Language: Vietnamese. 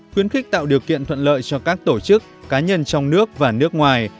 khuyến khích tạo điều kiện thuận lợi cho các tổ chức cá nhân trong nước và nước ngoài